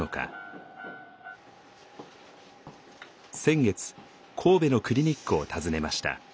先月神戸のクリニックを訪ねました。